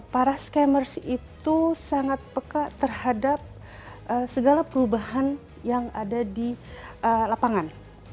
para scammerce itu sangat peka terhadap segala perubahan yang ada di lapangan